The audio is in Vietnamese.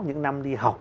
những năm đi học